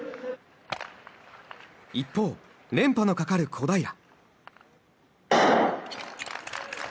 一方、連覇のかかる小平。